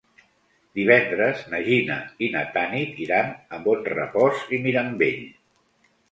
Divendres na Gina i na Tanit iran a Bonrepòs i Mirambell.